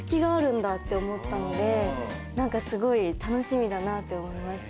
何かすごい楽しみだなって思いました